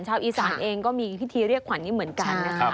ชาวอีสานเองก็มีพิธีเรียกขวัญนี้เหมือนกันนะคะ